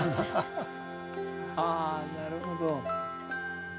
あなるほど。